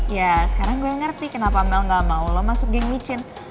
ya sekarang gue ngerti kenapa mel gak mau lo masuk geng micin